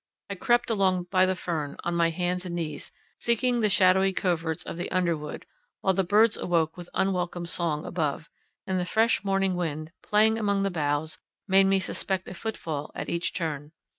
I crept along by the fern, on my hands and knees, seeking the shadowy coverts of the underwood, while the birds awoke with unwelcome song above, and the fresh morning wind, playing among the boughs, made me suspect a footfall at each turn.